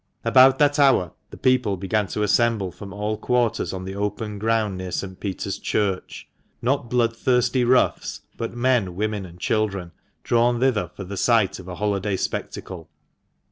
About that hour the people began to assemble from all quarters on the open ground near St. Peter's Church — not blood thirsty roughs, but men, women, and children, drawn thither for a sight of a holiday spectacle.